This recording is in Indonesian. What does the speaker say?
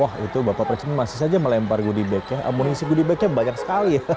wah itu bapak presiden masih saja melempar goodie bag nya amunisi goodie bag nya banyak sekali ya